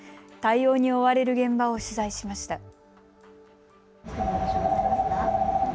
対応に追われる現場を取材しました。